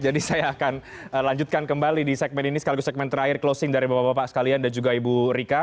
jadi saya akan lanjutkan kembali di segmen ini sekaligus segmen terakhir closing dari bapak bapak sekalian dan juga ibu rika